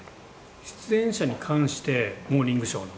「出演者に関して『モーニングショー』の」